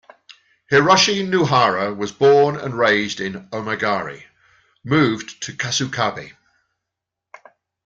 Hiroshi Nohara was born and raised in Omagari, moved to Kasukabe.